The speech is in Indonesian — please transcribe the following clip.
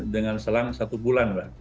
dengan selang satu bulan